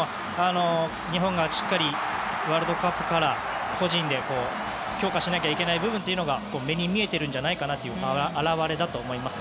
日本がしっかりワールドカップから個人で強化しなきゃいけない部分が目に見えているところの表れだと思います。